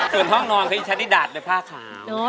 ส่วนห้องนอนคือฉันนี่ดาดด้วยผ้าขาว